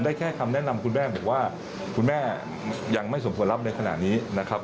แค่คำแนะนำคุณแม่บอกว่าคุณแม่ยังไม่สมควรรับในขณะนี้นะครับ